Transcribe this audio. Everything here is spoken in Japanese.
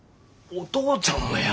お父ちゃんもや。